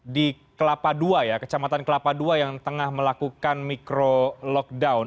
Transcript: di kelapa dua ya kecamatan kelapa dua yang tengah melakukan micro lockdown